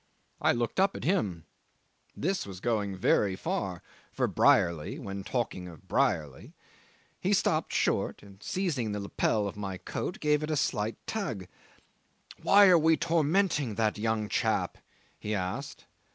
I looked up at him. This was going very far for Brierly when talking of Brierly. He stopped short, and seizing the lapel of my coat, gave it a slight tug. "Why are we tormenting that young chap?" he asked.